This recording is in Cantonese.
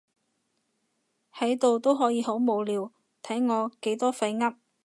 喺度都可以好無聊，睇我幾多廢噏